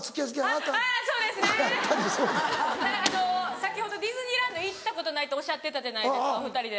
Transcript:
先ほどディズニーランド行ったことないとおっしゃってたじゃないですか２人で。